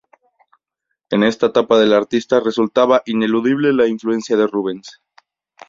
En esta etapa del artista resultaba ineludible la influencia de Rubens.